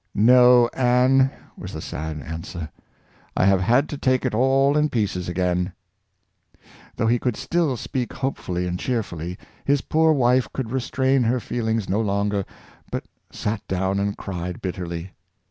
"No, Anne," was the sad answer, "I have had to take it all in pieces again." Though The Bobbin net Machine, 219 he could still speak hopefully and cheerfully, his poor wife could restrain her feelings no longer, but sat down and cried bitterly.